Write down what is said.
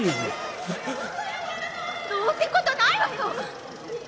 どーってことないわよ！